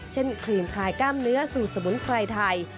ครีมทายกล้ามเนื้อสูตรสมุนไพรไทย